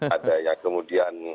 ada yang kemudian